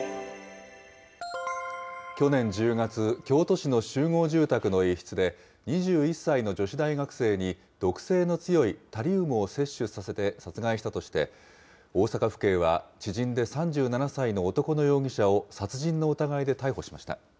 去年１０月、京都市の集合住宅の一室で、２１歳の女子大学生に毒性の強いタリウムを摂取させて殺害したとして、大阪府警は知人で３７歳の男の容疑者を殺人の疑いで逮捕しました。